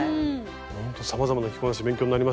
ほんとさまざまな着こなし勉強になりました。